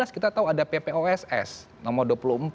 dua ribu delapan belas kita tahu ada pp oss nomor dua puluh empat